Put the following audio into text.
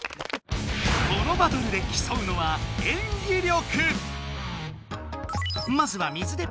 このバトルできそうのは演技力！